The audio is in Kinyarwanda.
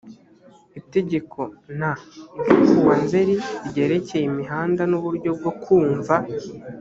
itegeko n ryo kuwa nzeri ryerekeye imihanda n uburyo bwo kumva